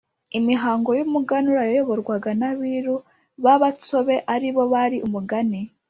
imihango y umuganura yayoborwaga n abiru b abatsobe ari bo bari umugani